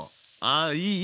ああいい。